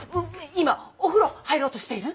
今お風呂入ろうとしている？